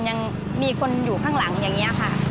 ยังมีคนอยู่ข้างหลังอย่างนี้ค่ะ